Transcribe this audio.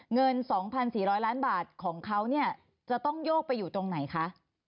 เงิน๒๔๐๐ล้านบาทของเขาเนี่ยจะต้องโยกไปอยู่ตรงไหนคะ